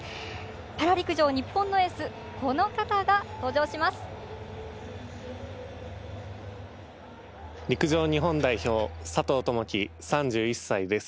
パラ陸上、日本のエースこの方が登場します。